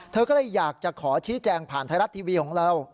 เธอก็เลยอยากจะขอชี้แจงผ่านไทยรัฐทีวีของเรา